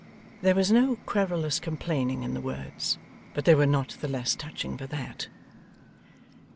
There was no querulous complaining in the words, but they were not the less touching for that.